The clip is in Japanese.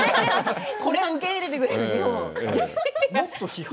これを受け入れてくれる日本。